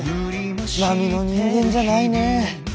並の人間じゃないねえ。